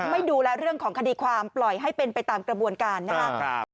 ไม่ดูแลเรื่องของคดีความปล่อยให้เป็นไปตามกระบวนการนะครับ